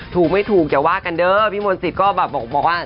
ถูกไม่ถูกอย่าว่ากันเด้อพี่มนต์สิทธิ์ก็แบบบอกว่า